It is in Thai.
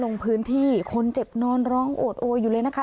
ลงพื้นที่คนเจ็บนอนร้องโอดโออยู่เลยนะคะ